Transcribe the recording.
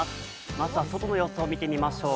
まずは外の様子を見てみましょう。